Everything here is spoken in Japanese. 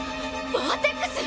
バーテックス